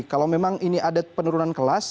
kalau memang ini ada penurunan kelas